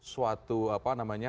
suatu apa namanya